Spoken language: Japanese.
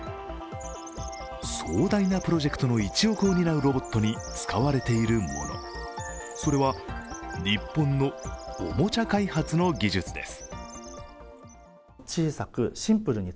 壮大なプロジェクトの一翼を担うロボットに使われているもの、それは日本のおもちゃ開発の技術です。